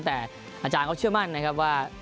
แต่อาจารย์เขาเชื่อมั่นนะครับว่า